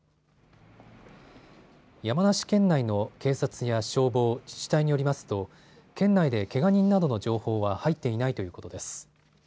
山梨県内の警察や消防、自治体によりますと県内でけが人などの情報は入っていないということです。